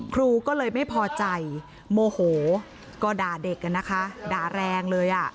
ครูก็เลยไม่พอใจโมโหก็ด่าเด็กกันนะคะด่าแรงเลยอ่ะ